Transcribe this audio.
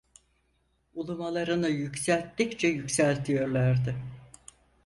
Ulumalarını yükselttikçe yükseltiyorlardı.